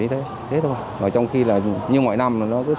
trong khi là như mọi năm